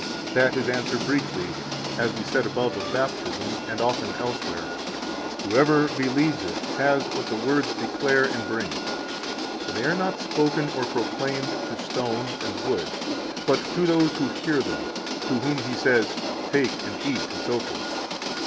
That is answered briefly, as we said above of Baptism and often elsewhere: Whoever believes it has what the words declare and bring. For they are not spoken or proclaimed to stone and wood, but to those who hear them, to whom He says: 34 Take and eat, etc.